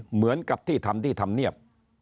เหมือนกับที่ทำที่ทำเนียบ